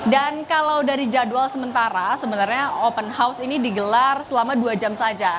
dan kalau dari jadwal sementara sebenarnya open house ini digelar selama dua jam saja